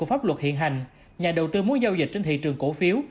theo pháp luật hiện hành nhà đầu tư muốn giao dịch trên thị trường cổ phiếu